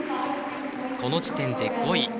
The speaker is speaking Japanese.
この時点で５位。